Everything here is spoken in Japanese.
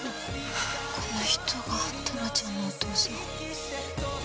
この人がトラちゃんのお父さん。